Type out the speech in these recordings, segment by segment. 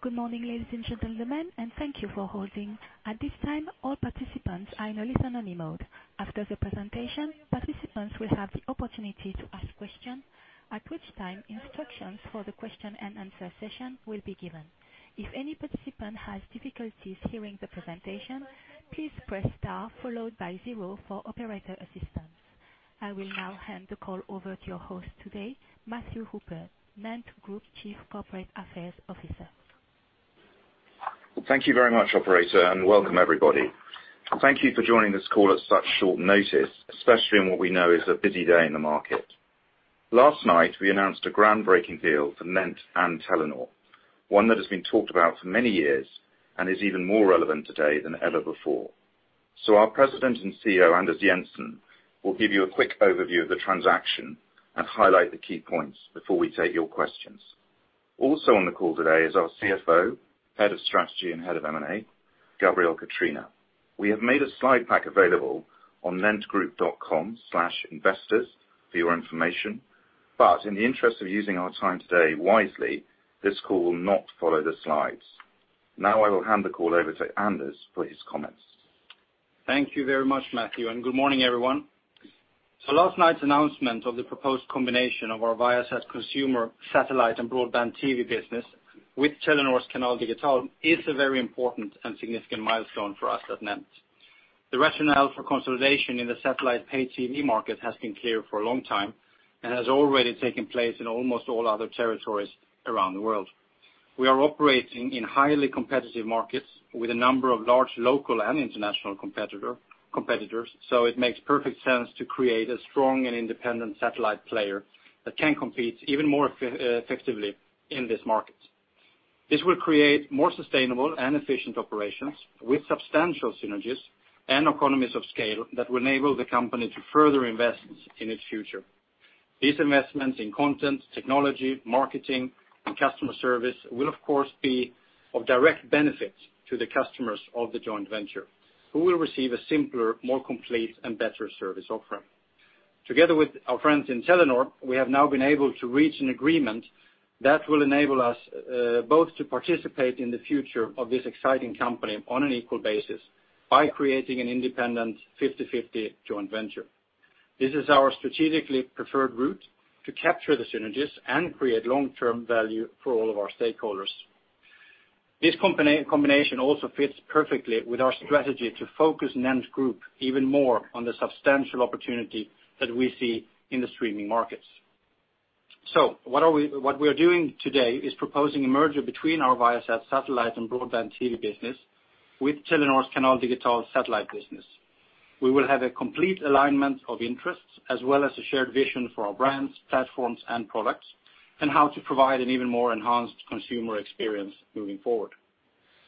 Good morning, ladies and gentlemen, and thank you for holding. At this time, all participants are in a listen-only mode. After the presentation, participants will have the opportunity to ask questions, at which time instructions for the question-and-answer session will be given. If any participant has difficulties hearing the presentation, please press star followed by zero for operator assistance. I will now hand the call over to your host today, Matthew Hooper, NENT Group Chief Corporate Affairs Officer. Thank you very much, operator, and welcome, everybody. Thank you for joining this call at such short notice, especially on what we know is a busy day in the market. Last night, we announced a groundbreaking deal for NENT and Telenor, one that has been talked about for many years and is even more relevant today than ever before. So our President and CEO, Anders Jensen, will give you a quick overview of the transaction and highlight the key points before we take your questions. Also on the call today is our CFO, Head of Strategy and Head of M&A, Gabriel Catrina. We have made a slide pack available on NENTgroup.com/investors for your information, but in the interest of using our time today wisely, this call will not follow the slides. Now I will hand the call over to Anders for his comments. Thank you very much, Matthew, and good morning, everyone. So last night's announcement of the proposed combination of our Viasat Consumer, satellite, and broadband TV business with Telenor's Canal Digital is a very important and significant milestone for us at NENT. The rationale for consolidation in the satellite pay TV market has been clear for a long time and has already taken place in almost all other territories around the world. We are operating in highly competitive markets with a number of large, local and international competitors, so it makes perfect sense to create a strong and independent satellite player that can compete even more effectively in this market. This will create more sustainable and efficient operations with substantial synergies and economies of scale that will enable the company to further invest in its future. These investments in content, technology, marketing, and customer service will, of course, be of direct benefit to the customers of the joint venture, who will receive a simpler, more complete, and better service offering. Together with our friends in Telenor, we have now been able to reach an agreement that will enable us both to participate in the future of this exciting company on an equal basis by creating an independent 50/50 joint venture. This is our strategically preferred route to capture the synergies and create long-term value for all of our stakeholders. This combination also fits perfectly with our strategy to focus NENT Group even more on the substantial opportunity that we see in the streaming markets. What we are doing today is proposing a merger between our Viasat satellite and broadband TV business with Telenor's Canal Digital satellite business. We will have a complete alignment of interests, as well as a shared vision for our brands, platforms, and products, and how to provide an even more enhanced consumer experience moving forward.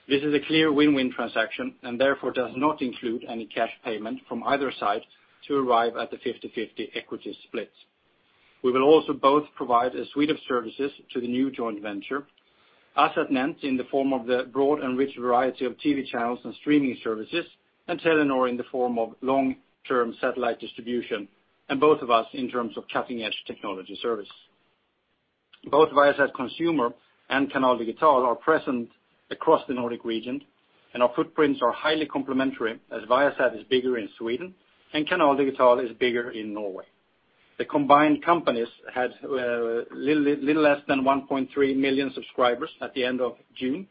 This is a clear win-win transaction and therefore does not include any cash payment from either side to arrive at the 50/50 equity split. We will also both provide a suite of services to the new joint venture, us at NENT, in the form of the broad and rich variety of TV channels and streaming services, and Telenor in the form of long-term satellite distribution, and both of us in terms of cutting-edge technology service. Both Viasat Consumer and Canal Digital are present across the Nordic region, and our footprints are highly complementary, as Viasat is bigger in Sweden and Canal Digital is bigger in Norway. The combined companies had little less than 1.3 million subscribers at the end of June.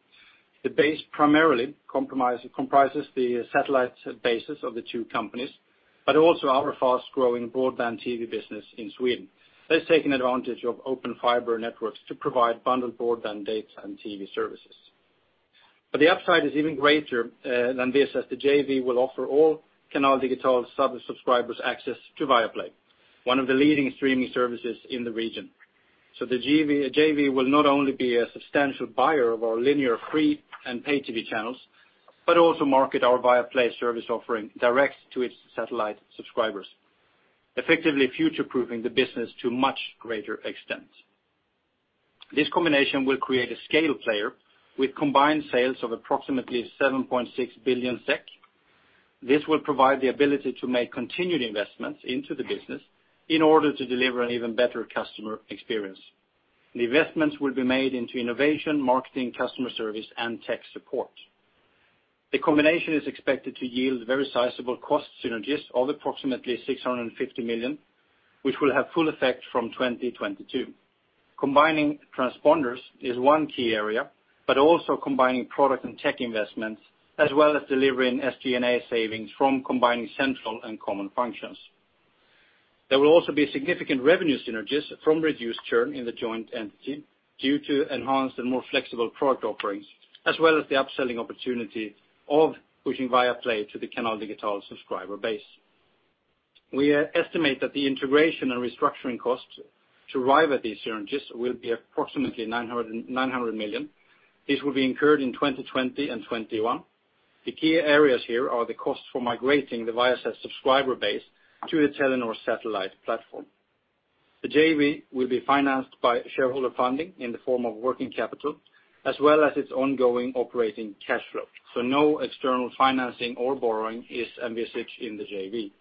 The base primarily comprises the satellite bases of the two companies, but also our fast-growing broadband TV business in Sweden. That's taking advantage of open fiber networks to provide bundled broadband, data, and TV services. But the upside is even greater than this, as the JV will offer all Canal Digital subscribers access to Viaplay, one of the leading streaming services in the region. So the JV will not only be a substantial buyer of our linear, free, and pay TV channels, but also market our Viaplay service offering direct to its satellite subscribers, effectively future-proofing the business to a much greater extent. This combination will create a scale player with combined sales of approximately 7.6 billion SEK. This will provide the ability to make continued investments into the business in order to deliver an even better customer experience. The investments will be made into innovation, marketing, customer service, and tech support. The combination is expected to yield very sizable cost synergies of approximately 650 million, which will have full effect from 2022. Combining transponders is one key area, but also combining product and tech investments, as well as delivering SG&A savings from combining central and common functions. There will also be significant revenue synergies from reduced churn in the joint entity due to enhanced and more flexible product offerings, as well as the upselling opportunity of pushing Viaplay to the Canal Digital subscriber base. We estimate that the integration and restructuring costs to arrive at these synergies will be approximately 900 million. This will be incurred in 2020 and 2021. The key areas here are the costs for migrating the Viasat subscriber base to the Telenor satellite platform. The JV will be financed by shareholder funding in the form of working capital, as well as its ongoing operating cash flow, so no external financing or borrowing is envisaged in the JV.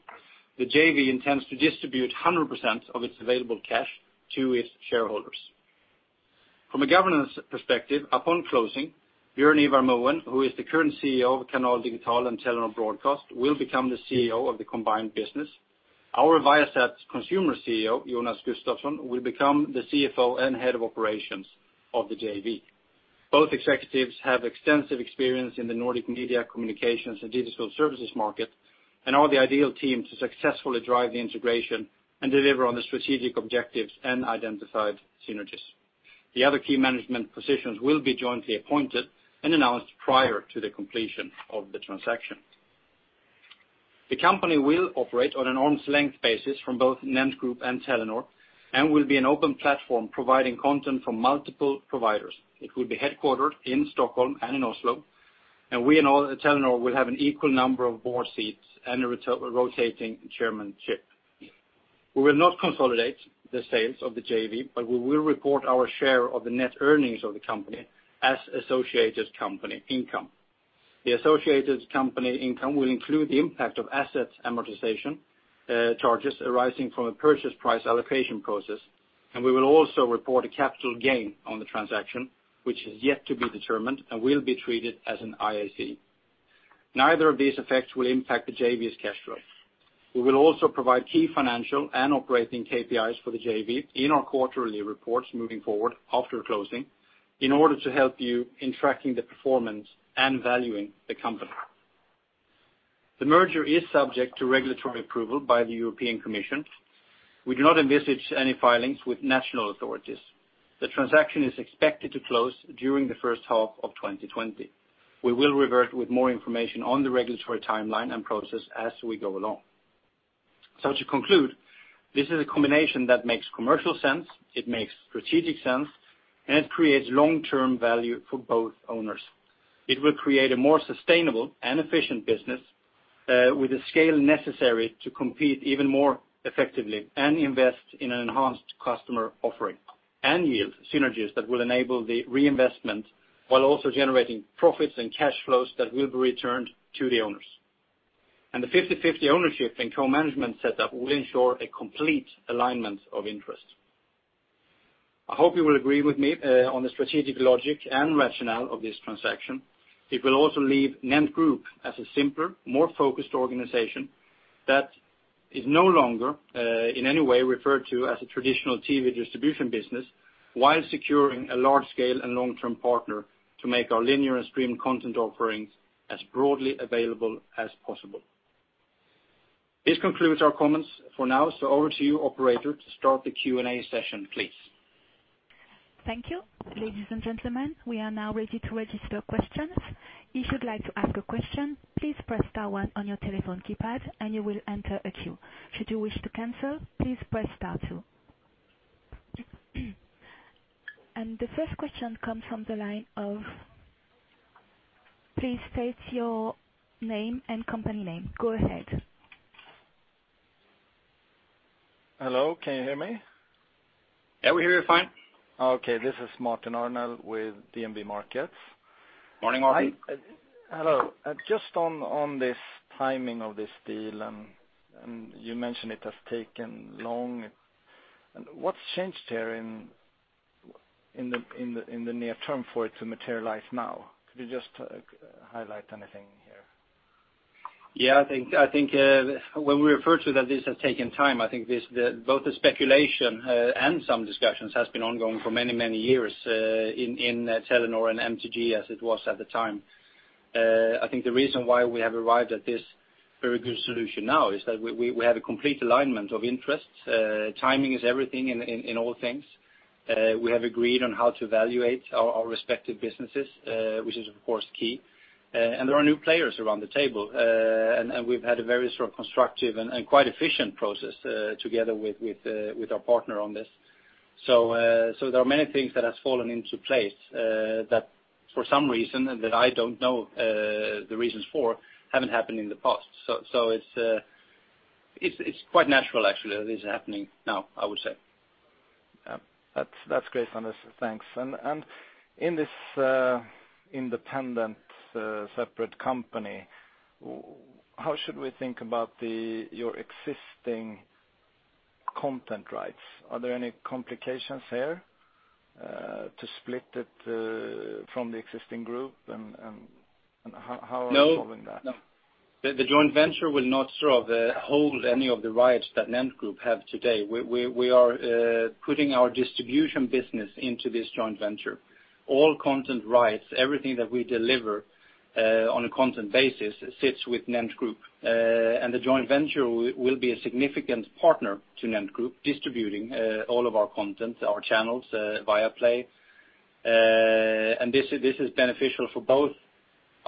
The JV intends to distribute 100% of its available cash to its shareholders. From a governance perspective, upon closing, Bjørn Ivar Moen, who is the current CEO of Canal Digital and Telenor Broadcast, will become the CEO of the combined business. Our Viasat Consumer CEO, Jonas Gustafsson, will become the CFO and head of operations of the JV. Both executives have extensive experience in the Nordic media, communications, and digital services market, and are the ideal team to successfully drive the integration and deliver on the strategic objectives and identified synergies. The other key management positions will be jointly appointed and announced prior to the completion of the transaction. The company will operate on an arm's length basis from both NENT Group and Telenor, and will be an open platform providing content from multiple providers. It will be headquartered in Stockholm and in Oslo, and we and all Telenor will have an equal number of board seats and a rotating chairmanship. We will not consolidate the sales of the JV, but we will report our share of the net earnings of the company as associated company income. The associated company income will include the impact of assets amortization, charges arising from a purchase price allocation process, and we will also report a capital gain on the transaction, which is yet to be determined and will be treated as an IAC. Neither of these effects will impact the JV's cash flow. We will also provide key financial and operating KPIs for the JV in our quarterly reports moving forward after closing, in order to help you in tracking the performance and valuing the company. The merger is subject to regulatory approval by the European Commission. We do not envisage any filings with national authorities. The transaction is expected to close during the first half of 2020. We will revert with more information on the regulatory timeline and process as we go along. So to conclude, this is a combination that makes commercial sense, it makes strategic sense, and it creates long-term value for both owners. It will create a more sustainable and efficient business, with the scale necessary to compete even more effectively and invest in an enhanced customer offering, and yield synergies that will enable the reinvestment, while also generating profits and cash flows that will be returned to the owners. And the 50/50 ownership and co-management setup will ensure a complete alignment of interest. I hope you will agree with me, on the strategic logic and rationale of this transaction. It will also leave NENT Group as a simpler, more focused organization, that is no longer, in any way referred to as a traditional TV distribution business, while securing a large scale and long-term partner to make our linear and stream content offerings as broadly available as possible. This concludes our comments for now. Over to you, operator, to start the Q&A session, please. Thank you. Ladies and gentlemen, we are now ready to register questions. If you'd like to ask a question, please press star one on your telephone keypad, and you will enter a queue. Should you wish to cancel, please press star two. The first question comes from the line of... Please state your name and company name. Go ahead. Hello, can you hear me? Yeah, we hear you fine. Okay, this is Martin Arnell with DNB Markets. Morning, Martin. Hello. Just on this timing of this deal, and you mentioned it has taken long. And what's changed here in the near term for it to materialize now? Could you just highlight anything here? Yeah, I think when we refer to that this has taken time, I think both the speculation and some discussions has been ongoing for many, many years in Telenor and MTG, as it was at the time. I think the reason why we have arrived at this very good solution now is that we have a complete alignment of interests. Timing is everything in all things. We have agreed on how to evaluate our respective businesses, which is, of course, key. And there are new players around the table. And we've had a very sort of constructive and quite efficient process together with our partner on this. So, there are many things that has fallen into place, that for some reason that I don't know the reasons for, haven't happened in the past. So it's quite natural, actually, that this is happening now, I would say. Yeah. That's, that's great, Anders. Thanks. And, and in this independent, separate company, how should we think about the, your existing content rights? Are there any complications there, to split it, from the existing group? And, and how, how are you solving that? No. No. The joint venture will not sort of hold any of the rights that NENT Group have today. We are putting our distribution business into this joint venture. All content rights, everything that we deliver on a content basis, sits with NENT Group. And the joint venture will be a significant partner to NENT Group, distributing all of our content, our channels, Viaplay. And this is beneficial for both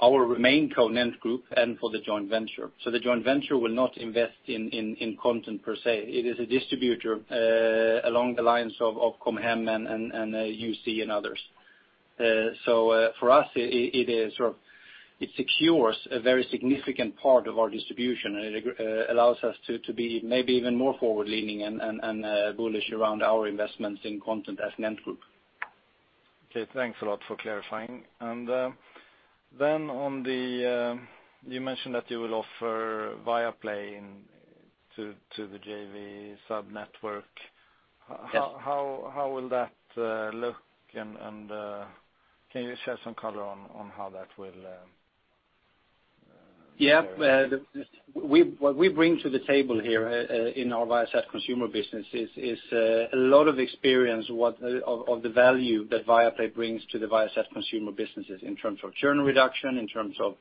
our MainCo, NENT Group, and for the joint venture. So the joint venture will not invest in content per se. It is a distributor along the lines of Com Hem and YouSee and others. So, for us, it is sort of, it secures a very significant part of our distribution, and it allows us to be maybe even more forward-leaning and bullish around our investments in content as NENT Group.... Okay, thanks a lot for clarifying. And then on the, you mentioned that you will offer Viaplay into the JV sub-network. Yes. How will that look, and can you share some color on how that will? Yeah, what we bring to the table here, in our Viasat Consumer business is a lot of experience of the value that Viaplay brings to the Viasat Consumer businesses in terms of churn reduction, in terms of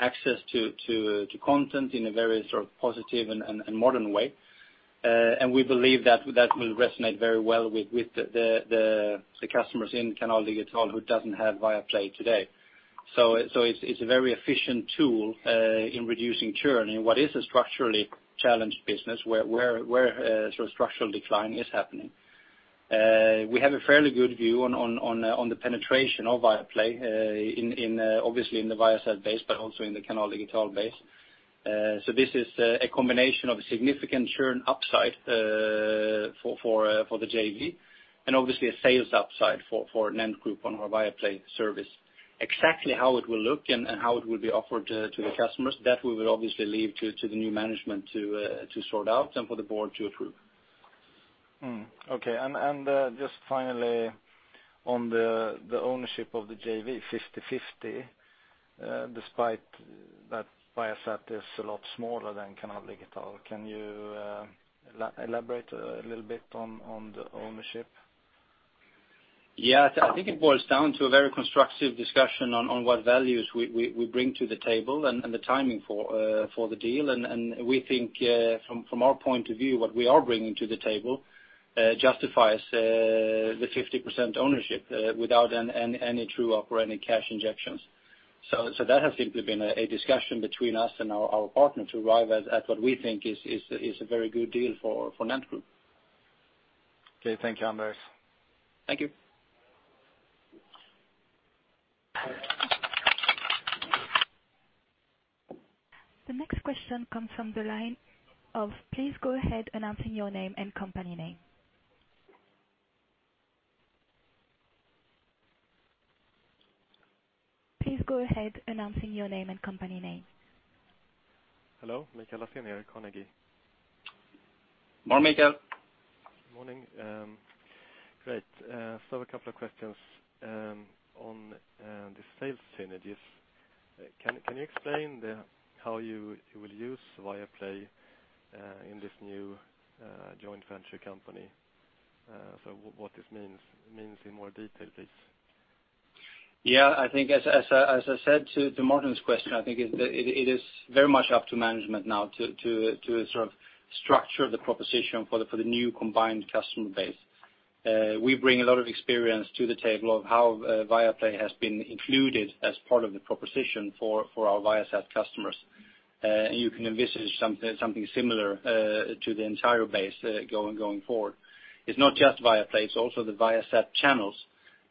access to content in a very sort of positive and modern way. And we believe that that will resonate very well with the customers in Canal Digital who doesn't have Viaplay today. So it's a very efficient tool in reducing churn in what is a structurally challenged business, where sort of structural decline is happening. We have a fairly good view on the penetration of Viaplay, in obviously in the Viasat base, but also in the Canal Digital base. So this is a combination of a significant churn upside for the JV, and obviously a sales upside for NENT Group on our Viaplay service. Exactly how it will look and how it will be offered to the customers, that we will obviously leave to the new management to sort out and for the board to approve. Hmm. Okay. And just finally, on the ownership of the JV, 50/50, despite that Viasat is a lot smaller than Canal Digital, can you elaborate a little bit on the ownership? Yeah. I think it boils down to a very constructive discussion on what values we bring to the table and the timing for the deal. And we think from our point of view, what we are bringing to the table justifies the 50% ownership without any true operating cash injections. So that has simply been a discussion between us and our partner to arrive at what we think is a very good deal for NENT Group. Okay. Thank you, Anders. Thank you. The next question comes from the line of... Please go ahead announcing your name and company name. Please go ahead announcing your name and company name. Hello, Mikael Laséen, Carnegie. Morning, Mikael. Morning. Great. So a couple of questions on the sales synergies. Can you explain how you will use Viaplay in this new joint venture company? So what this means in more detail, please. Yeah, I think as I said to Martin's question, I think it is very much up to management now to sort of structure the proposition for the new combined customer base. We bring a lot of experience to the table of how Viaplay has been included as part of the proposition for our Viasat customers. And you can envisage something similar to the entire base going forward. It's not just Viaplay, it's also the Viasat channels,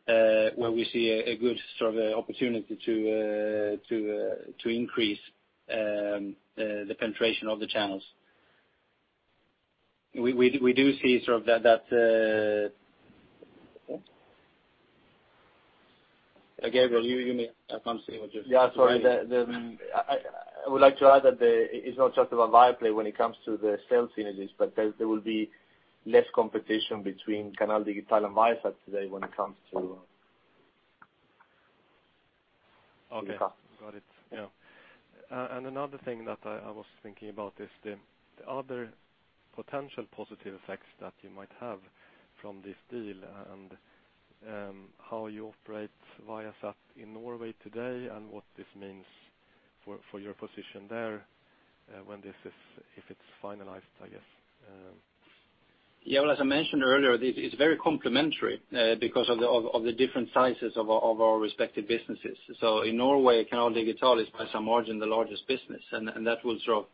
where we see a good sort of opportunity to increase the penetration of the channels. We do see sort of that... Gabriel, you may have something which is- Yeah, sorry. I would like to add that it's not just about Viaplay when it comes to the sales synergies, but there will be less competition between Canal Digital and Viasat today when it comes to- Okay. Yeah. Got it. Yeah, and another thing that I was thinking about is the other potential positive effects that you might have from this deal, and how you operate Viasat in Norway today, and what this means for your position there when this is... if it's finalized, I guess. Yeah, well, as I mentioned earlier, this is very complementary, because of the different sizes of our respective businesses. So in Norway, Canal Digital is by some margin the largest business, and that will sort of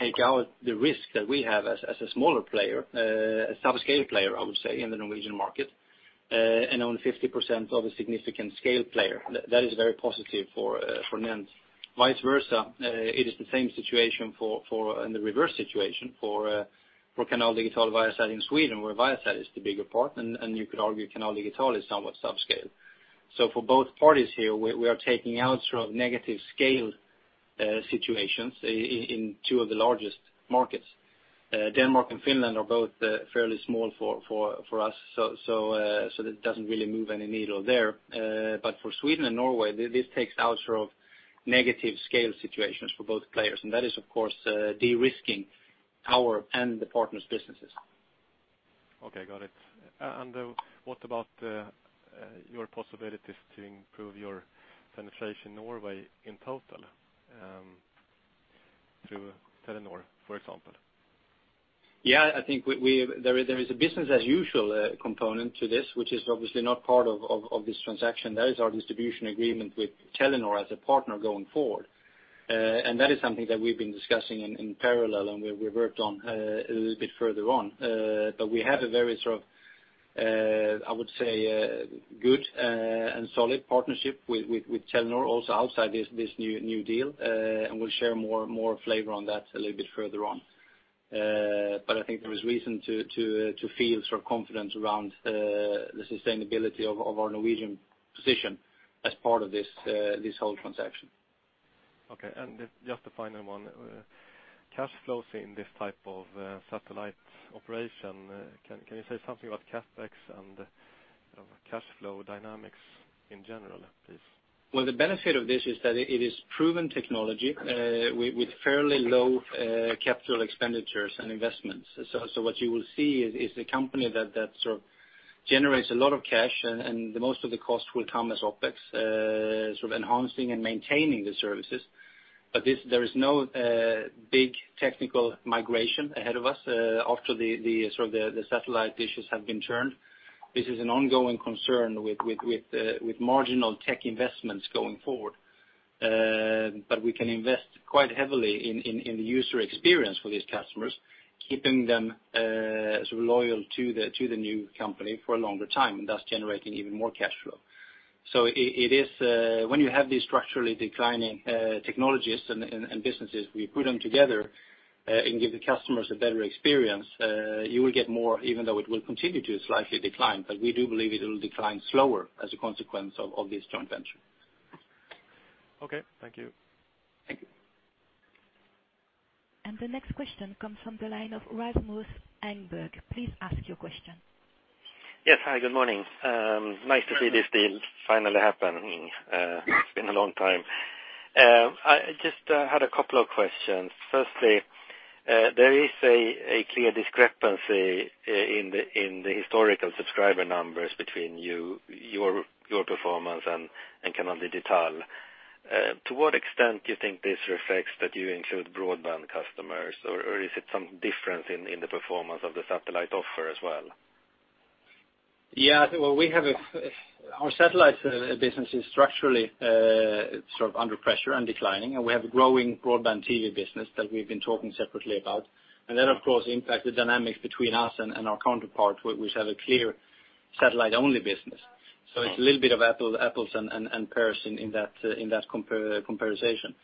take out the risk that we have as a smaller player, a subscale player, I would say, in the Norwegian market, and own 50% of a significant scale player. That is very positive for NENT. Vice versa, it is the same situation in the reverse situation for Canal Digital Viasat in Sweden, where Viasat is the bigger part, and you could argue Canal Digital is somewhat subscale. So for both parties here, we are taking out sort of negative scale situations in two of the largest markets. Denmark and Finland are both fairly small for us, so that doesn't really move any needle there. But for Sweden and Norway, this takes out sort of negative scale situations for both players, and that is, of course, de-risking our and the partners' businesses. Okay, got it. And what about your possibilities to improve your penetration in Norway in total, through Telenor, for example? Yeah, I think we. There is a business as usual component to this, which is obviously not part of this transaction. That is our distribution agreement with Telenor as a partner going forward. And that is something that we've been discussing in parallel, and we worked on a little bit further on. But we have a very sort of, I would say, good and solid partnership with Telenor, also outside this new deal, and we'll share more flavor on that a little bit further on. But I think there is reason to feel sort of confidence around the sustainability of our Norwegian position as part of this whole transaction. Okay. And just a final one. Cash flows in this type of satellite operation, can, can you say something about CapEx and sort of cash flow dynamics in general, please? Well, the benefit of this is that it is proven technology with fairly low capital expenditures and investments. So what you will see is a company that sort of generates a lot of cash, and the most of the cost will come as OpEx, sort of enhancing and maintaining the services. But there is no big technical migration ahead of us after the sort of the satellite dishes have been turned. This is an ongoing concern with marginal tech investments going forward. But we can invest quite heavily in the user experience for these customers, keeping them sort of loyal to the new company for a longer time, and thus generating even more cash flow. So it is when you have these structurally declining technologies and businesses, we put them together and give the customers a better experience, you will get more, even though it will continue to slightly decline. But we do believe it will decline slower as a consequence of this joint venture. Okay, thank you. Thank you. The next question comes from the line of Rasmus Engberg. Please ask your question. Yes. Hi, good morning. Nice to see this deal finally happening. It's been a long time. I just had a couple of questions. Firstly, there is a clear discrepancy in the historical subscriber numbers between your performance and Canal Digital. To what extent do you think this reflects that you include broadband customers, or is it some difference in the performance of the satellite offer as well? Yeah, well, we have our satellite business structurally sort of under pressure and declining, and we have a growing broadband TV business that we've been talking separately about. And that, of course, impact the dynamics between us and our counterpart, which have a clear satellite-only business. So it's a little bit of apples and pears in that comparison.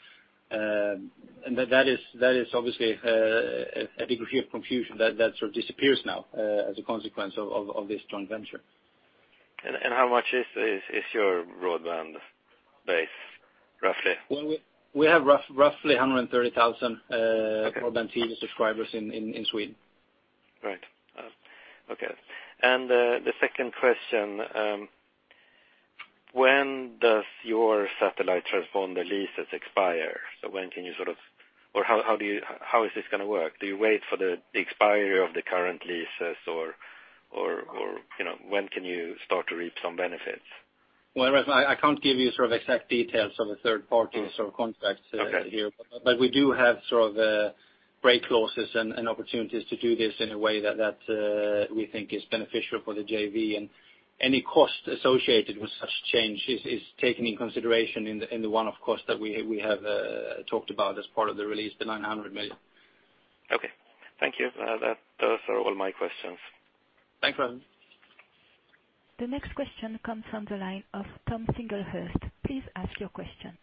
And that is obviously a degree of confusion that sort of disappears now as a consequence of this joint venture. How much is your broadband base, roughly? Well, we have roughly 130,000. Okay. broadband TV subscribers in Sweden. Right. Okay. And, the second question, when does your satellite Transponder leases expire? So when can you sort of... Or how, how do you, how is this gonna work? Do you wait for the, the expiry of the current leases, or, or, or, you know, when can you start to reap some benefits? Well, Rasmus, I can't give you sort of exact details on the third party sort of contracts here. Okay. But we do have sort of break losses and opportunities to do this in a way that we think is beneficial for the JV. And any cost associated with such change is taken in consideration in the one-off cost that we have talked about as part of the release, the 900 million. Okay. Thank you. That, those are all my questions. Thanks, Rasmus. The next question comes from the line of Tom Singlehurst. Please ask your question.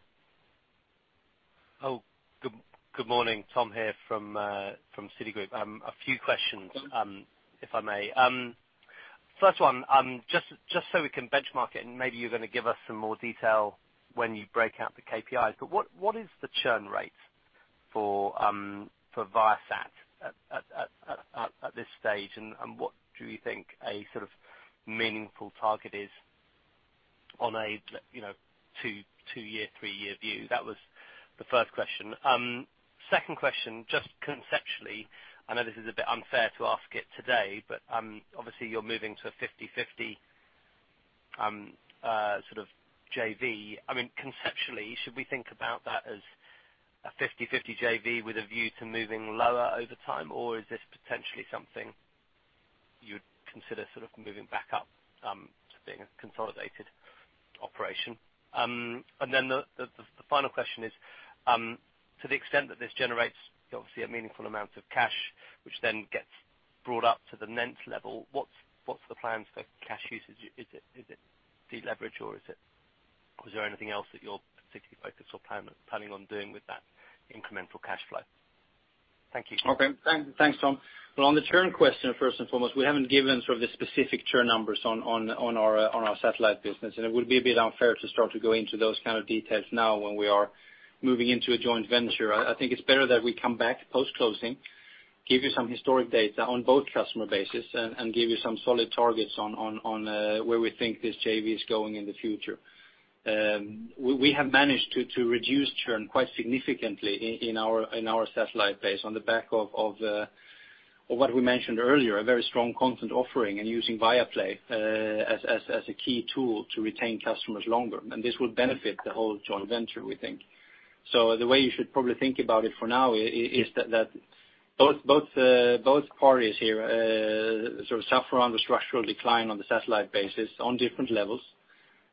Oh, good morning. Tom here from Citigroup. A few questions, if I may. First one, just so we can benchmark it, and maybe you're gonna give us some more detail when you break out the KPIs, but what is the churn rate for Viasat at this stage? And what do you think a sort of meaningful target is on a, you know, two-year, three-year view? That was the first question. Second question, just conceptually, I know this is a bit unfair to ask it today, but obviously you're moving to a 50/50, sort of JV. I mean, conceptually, should we think about that as a 50/50 JV with a view to moving lower over time? Or is this potentially something you'd consider sort of moving back up to being a consolidated operation? And then the final question is, to the extent that this generates obviously a meaningful amount of cash, which then gets brought up to the next level, what's the plans for cash usage? Is it deleverage, or is it... Is there anything else that you're particularly focused or planning on doing with that incremental cash flow? Thank you. Okay. Thanks, Tom. Well, on the churn question, first and foremost, we haven't given sort of the specific churn numbers on our satellite business, and it would be a bit unfair to start to go into those kind of details now when we are moving into a joint venture. I think it's better that we come back post-closing, give you some historic data on both customer bases and give you some solid targets on where we think this JV is going in the future. We have managed to reduce churn quite significantly in our satellite base on the back of what we mentioned earlier, a very strong content offering and using Viaplay as a key tool to retain customers longer, and this will benefit the whole joint venture, we think. So the way you should probably think about it for now is that both parties here sort of suffer on the structural decline on the satellite basis on different levels.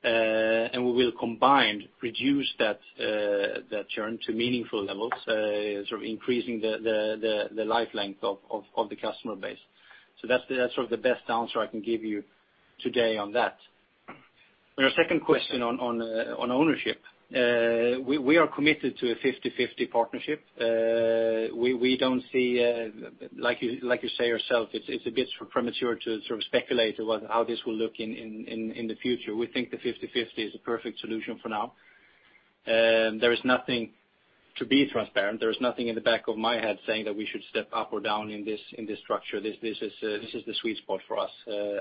And we will combined reduce that churn to meaningful levels, sort of increasing the life length of the customer base. So that's sort of the best answer I can give you today on that. On your second question on ownership, we are committed to a 50/50 partnership. We don't see, like you say yourself, it's a bit premature to sort of speculate about how this will look in the future. We think the 50/50 is a perfect solution for now. And there is nothing, to be transparent, there is nothing in the back of my head saying that we should step up or down in this structure. This is the sweet spot for us,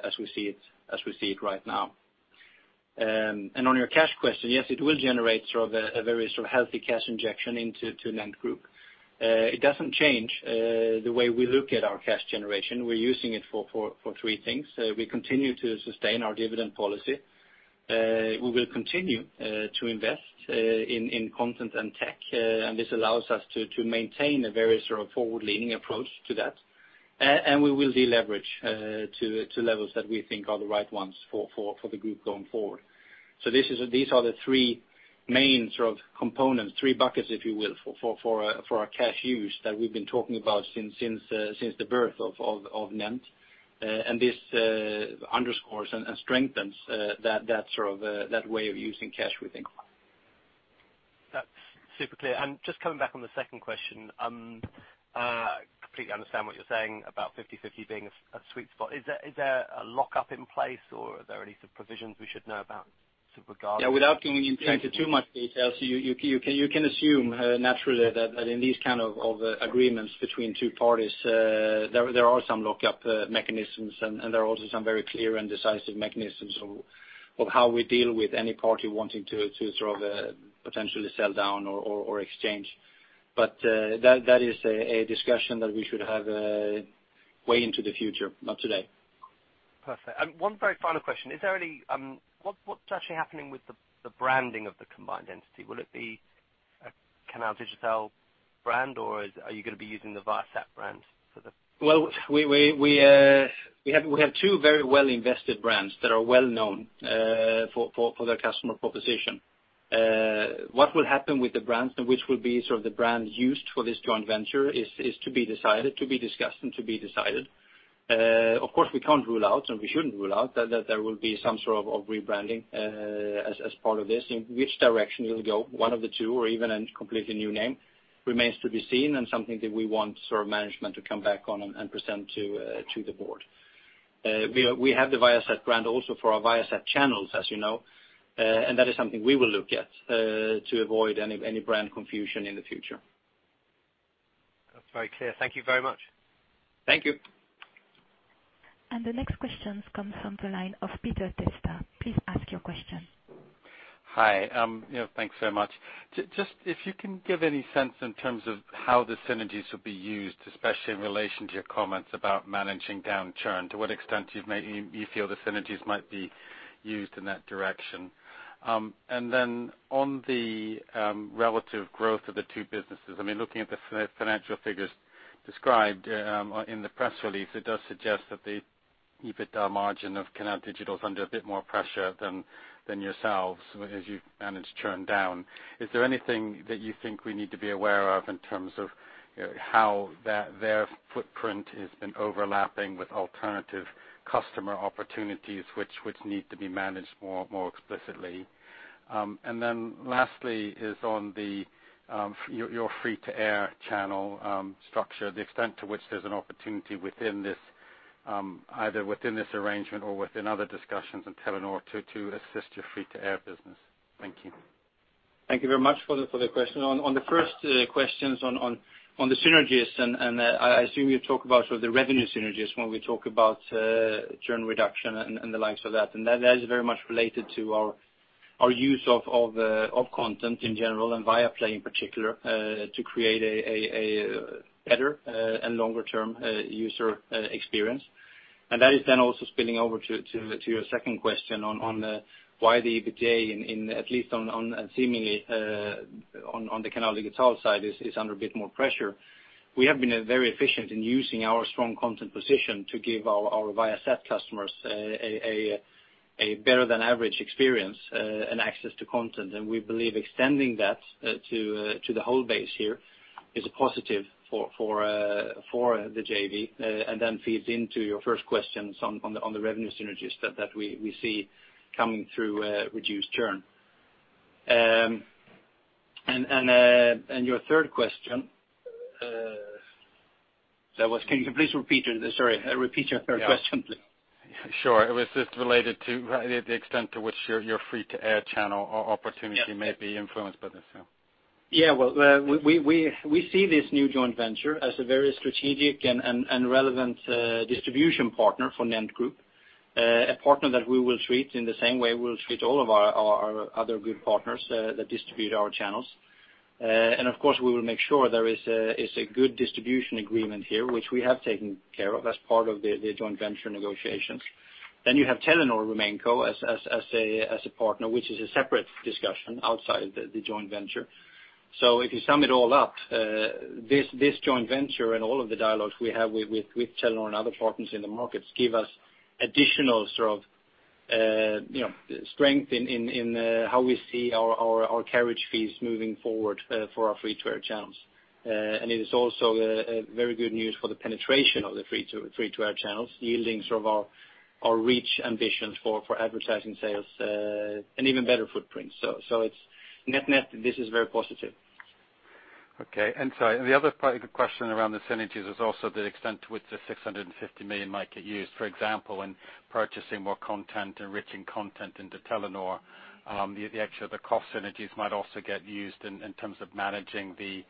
as we see it right now. And on your cash question, yes, it will generate sort of a very sort of healthy cash injection into NENT Group. It doesn't change the way we look at our cash generation. We're using it for three things. We continue to sustain our dividend policy. We will continue to invest in content and tech, and this allows us to maintain a very sort of forward-leaning approach to that. And we will deleverage to levels that we think are the right ones for the group going forward. So this is, these are the three main sort of components, three buckets, if you will, for our cash use that we've been talking about since the birth of NENT. And this underscores and strengthens that sort of way of using cash, we think. That's super clear. And just coming back on the second question, completely understand what you're saying about 50/50 being a sweet spot. Is there a lockup in place or are there any sort of provisions we should know about sort of regarding- Yeah, without getting into too much details, you can assume naturally that in these kind of agreements between two parties, there are some lockup mechanisms, and there are also some very clear and decisive mechanisms of how we deal with any party wanting to sort of potentially sell down or exchange. But that is a discussion that we should have way into the future, not today. Perfect. And one very final question: What's actually happening with the branding of the combined entity? Will it be a Canal Digital brand, or are you gonna be using the Viasat brand for the- Well, we have two very well-invested brands that are well known for their customer proposition. What will happen with the brands and which will be sort of the brand used for this joint venture is to be decided, to be discussed, and to be decided. Of course, we can't rule out, and we shouldn't rule out, that there will be some sort of rebranding as part of this. In which direction it'll go, one of the two or even a completely new name, remains to be seen and something that we want sort of management to come back on and present to the board. We have the Viasat brand also for our Viasat channels, as you know, and that is something we will look at to avoid any brand confusion in the future. That's very clear. Thank you very much. Thank you. The next question comes from the line of Peter Teilsted. Please ask your question. Hi, yeah, thanks so much. Just, if you can give any sense in terms of how the synergies will be used, especially in relation to your comments about managing down churn, to what extent you feel the synergies might be used in that direction? And then on the relative growth of the two businesses, I mean, looking at the financial figures described in the press release, it does suggest that the EBITDA margin of Canal Digital is under a bit more pressure than yourselves, as you've managed to churn down. Is there anything that you think we need to be aware of in terms of, you know, how their footprint has been overlapping with alternative customer opportunities, which need to be managed more explicitly? And then lastly, on your free-to-air channel structure, the extent to which there's an opportunity within this, either within this arrangement or within other discussions in Telenor to assist your free to air business. Thank you. Thank you very much for the question. On the first questions on the synergies, and I assume you talk about sort of the revenue synergies when we talk about churn reduction and the likes of that. And that is very much related to our use of content in general and Viaplay in particular to create a better and longer-term user experience. And that is then also spilling over to your second question on why the EBITDA in at least on and seemingly on the Canal Digital side is under a bit more pressure. We have been very efficient in using our strong content position to give our Viasat customers a better than average experience, and access to content. And we believe extending that to the whole base here is a positive for the JV, and then feeds into your first questions on the revenue synergies that we see coming through, reduced churn. And your third question, that was... Can you please repeat it? Sorry, repeat your third question, please. Sure. It was just related to the extent to which your, your free-to-air channel opportunity may be influenced by this, yeah. Yeah, well, we see this new joint venture as a very strategic and relevant distribution partner for NENT Group, a partner that we will treat in the same way we will treat all of our other good partners that distribute our channels. And of course, we will make sure there is a good distribution agreement here, which we have taken care of as part of the joint venture negotiations. Then you have Telenor Romania as a partner, which is a separate discussion outside of the joint venture. So if you sum it all up, this joint venture and all of the dialogues we have with Telenor and other partners in the markets give us additional sort of, you know, strength in how we see our carriage fees moving forward, for our free-to-air channels. And it is also a very good news for the penetration of the free-to-air channels, yielding sort of our reach ambitions for advertising sales, and even better footprint. So it's net-net, this is very positive. ... Okay, and sorry, the other part of the question around the synergies is also the extent to which the 650 million might get used, for example, in purchasing more content, enriching content into Telenor. The actual cost synergies might also get used in terms of managing the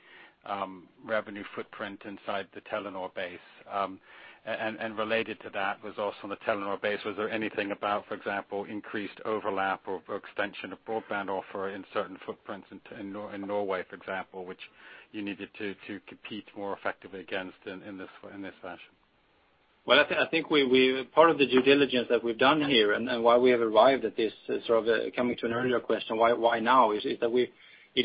revenue footprint inside the Telenor base. And related to that was also on the Telenor base, was there anything about, for example, increased overlap or extension of broadband offer in certain footprints in Norway, for example, which you needed to compete more effectively against in this fashion? Well, I think part of the due diligence that we've done here, and why we have arrived at this, sort of, coming to an earlier question, why now? It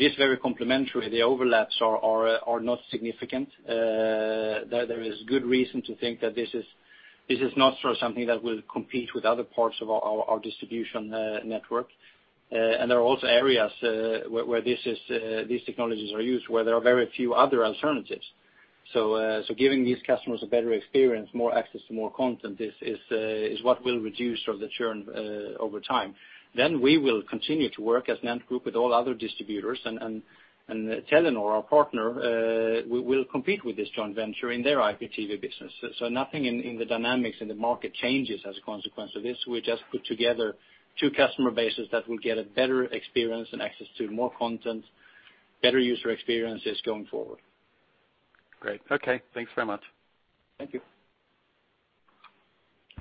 is very complementary. The overlaps are not significant. There is good reason to think that this is not sort of something that will compete with other parts of our distribution network. And there are also areas where these technologies are used, where there are very few other alternatives. So, giving these customers a better experience, more access to more content, is what will reduce sort of the churn over time. Then we will continue to work as NENT Group with all other distributors and Telenor, our partner, we will compete with this joint venture in their IPTV business. So nothing in the dynamics in the market changes as a consequence of this. We just put together two customer bases that will get a better experience and access to more content, better user experiences going forward. Great. Okay. Thanks very much. Thank you.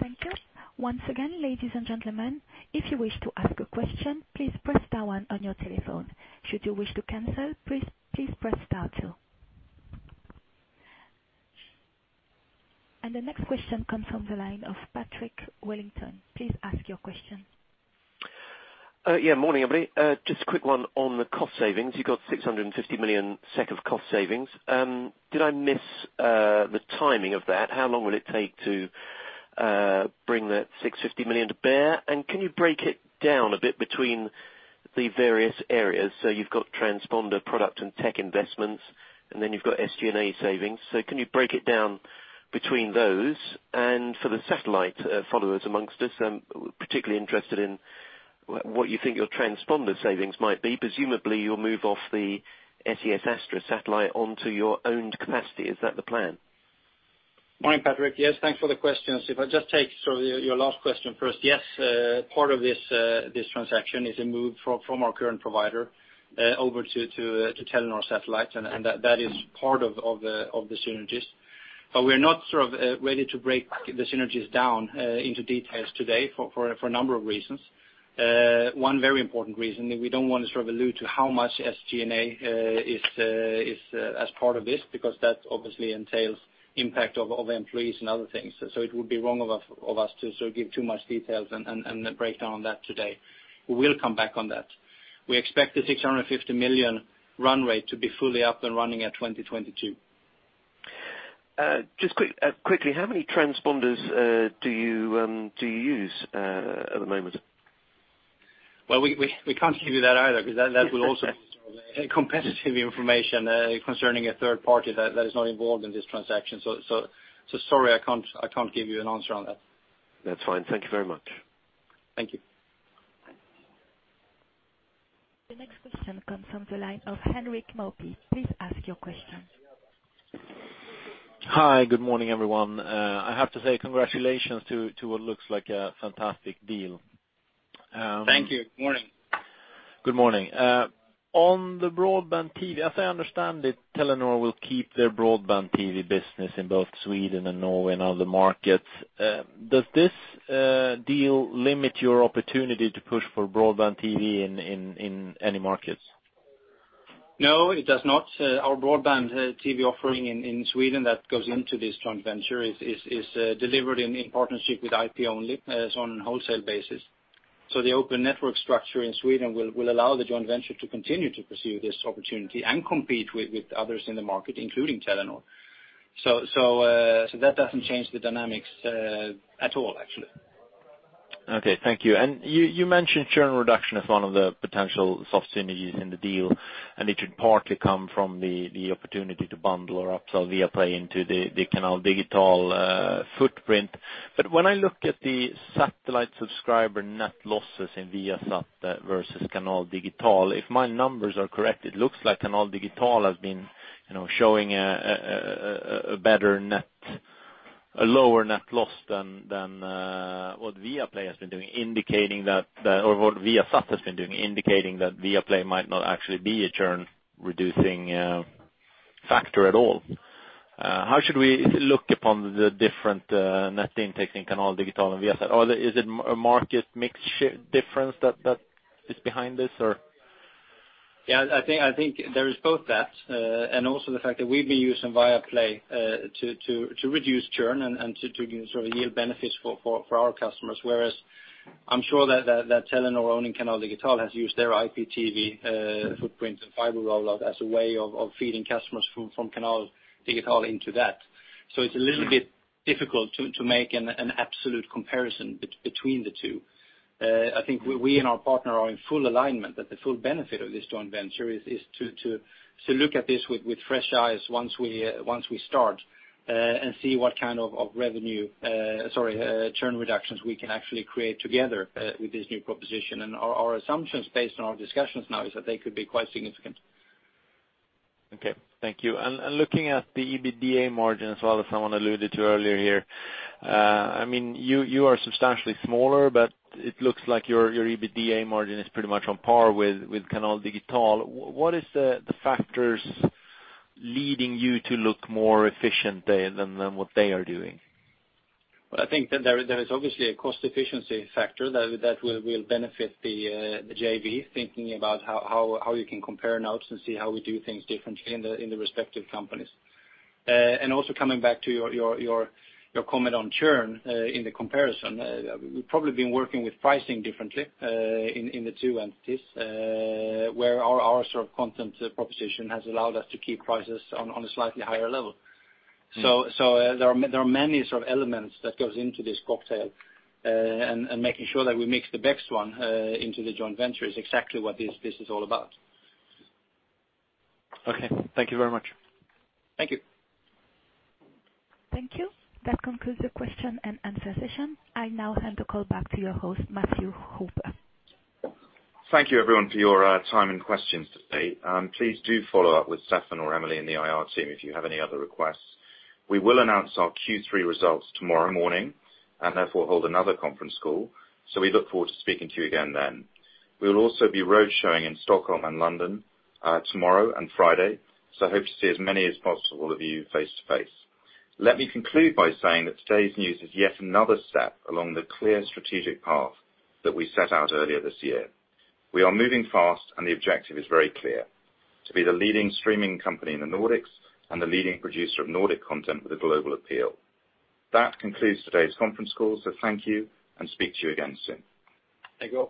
Thank you. Once again, ladies and gentlemen, if you wish to ask a question, please press star one on your telephone. Should you wish to cancel, please, please press star two. And the next question comes from the line of Patrick Wellington. Please ask your question. Yeah, morning, everybody. Just a quick one on the cost savings. You've got 650 million SEK of cost savings. Did I miss the timing of that? How long will it take to bring that 650 million to bear? And can you break it down a bit between the various areas? So you've got transponder, product and tech investments, and then you've got SG&A savings. So can you break it down between those? And for the satellite followers amongst us, I'm particularly interested in what you think your transponder savings might be. Presumably, you'll move off the SES Astra satellite onto your own capacity. Is that the plan? Morning, Patrick. Yes, thanks for the questions. If I just take sort of your last question first. Yes, part of this transaction is a move from our current provider over to Telenor satellites, and that is part of the synergies. But we are not sort of ready to break the synergies down into details today for a number of reasons. One very important reason, we don't want to sort of allude to how much SG&A is as part of this, because that obviously entails impact of employees and other things. So it would be wrong of us to sort of give too much details and break down on that today. We will come back on that. We expect the 650 million run rate to be fully up and running at 2022. Just quickly, how many transponders do you use at the moment? Well, we can't give you that either, because that will also be competitive information concerning a third party that is not involved in this transaction. So, sorry, I can't give you an answer on that. That's fine. Thank you very much. Thank you. The next question comes from the line of Henrik Møhring. Please ask your question. Hi, good morning, everyone. I have to say congratulations to, to what looks like a fantastic deal. Thank you. Morning. Good morning. On the broadband TV, as I understand it, Telenor will keep their broadband TV business in both Sweden and Norway and other markets. Does this deal limit your opportunity to push for broadband TV in any markets? No, it does not. Our broadband TV offering in Sweden that goes into this joint venture is delivered in partnership with IP-Only, so on a wholesale basis. So the open network structure in Sweden will allow the joint venture to continue to pursue this opportunity and compete with others in the market, including Telenor. So that doesn't change the dynamics at all, actually. Okay, thank you. You mentioned churn reduction as one of the potential soft synergies in the deal, and it should partly come from the opportunity to bundle or upsell Viaplay into the Canal Digital footprint. But when I look at the satellite subscriber net losses in Viasat versus Canal Digital, if my numbers are correct, it looks like Canal Digital has been, you know, showing a better net, a lower net loss than what Viaplay has been doing, indicating that or what Viasat has been doing, indicating that Viaplay might not actually be a churn-reducing factor at all. How should we look upon the different net intake in Canal Digital and Viasat? Or is it a market mix difference that is behind this, or? Yeah, I think there is both that and also the fact that we've been using Viaplay to reduce churn and to sort of yield benefits for our customers. Whereas I'm sure that Telenor owning Canal Digital has used their IPTV footprint and fiber rollout as a way of feeding customers from Canal Digital into that. So it's a little bit difficult to make an absolute comparison between the two. I think we and our partner are in full alignment that the full benefit of this joint venture is to look at this with fresh eyes once we start and see what kind of revenue, sorry, churn reductions we can actually create together with this new proposition. Our assumptions based on our discussions now is that they could be quite significant.... Okay, thank you. And looking at the EBITDA margin as well, as someone alluded to earlier here, I mean, you are substantially smaller, but it looks like your EBITDA margin is pretty much on par with Canal Digital. What is the factors leading you to look more efficient than what they are doing? Well, I think that there is obviously a cost efficiency factor that will benefit the JV, thinking about how you can compare notes and see how we do things differently in the respective companies. And also coming back to your comment on churn, in the comparison, we've probably been working with pricing differently, in the two entities, where our sort of content proposition has allowed us to keep prices on a slightly higher level. So, there are many sort of elements that goes into this cocktail, and making sure that we mix the best one into the joint venture is exactly what this is all about. Okay, thank you very much. Thank you. Thank you. That concludes the question and answer session. I now hand the call back to your host, Matthew Hooper. Thank you everyone for your time and questions today. Please do follow up with Stefan or Emily in the IR team if you have any other requests. We will announce our Q3 results tomorrow morning, and therefore, hold another conference call, so we look forward to speaking to you again then. We will also be roadshowing in Stockholm and London, tomorrow and Friday, so I hope to see as many as possible of you face-to-face. Let me conclude by saying that today's news is yet another step along the clear strategic path that we set out earlier this year. We are moving fast, and the objective is very clear: to be the leading streaming company in the Nordics and the leading producer of Nordic content with a global appeal. That concludes today's conference call, so thank you, and speak to you again soon. Thank you all.